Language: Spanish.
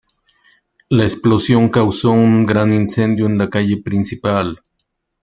La explosión causó un gran incendio en la calle principal.